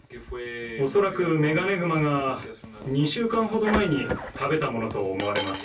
恐らくメガネグマが２週間ほど前に食べたものと思われます。